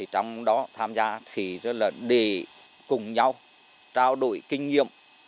trong đó tham gia thì rất là để cùng nhau trao đổi kinh nghiệm